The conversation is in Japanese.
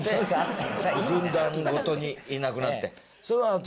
軍団ごとにいなくなってええ